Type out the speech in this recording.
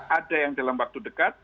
ada yang dalam waktu dekat